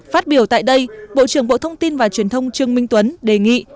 phát biểu tại đây bộ trưởng bộ thông tin và truyền thông trương minh tuấn đề nghị